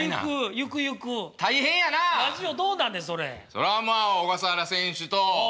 そらあまあ小笠原選手とえ？